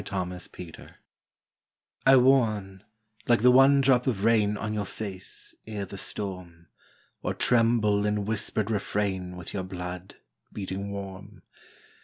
THE VOICE OF THE VOID I warn, like the one drop of rain On your face, ere the storm; Or tremble in whispered refrain With your blood, beating warm.